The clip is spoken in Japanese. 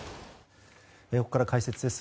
ここから解説です。